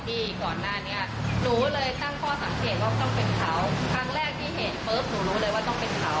ที่ก่อนหน้านี้หนูเลยตั้งข้อสังเกตว่าต้องเป็นเขา